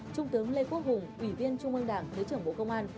trung tướng lê quốc hùng ủy viên trung ương đảng thứ trưởng bộ công an